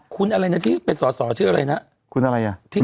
คุณอะไรนะที่เป็นสอเชื่ออะไรเนี้ย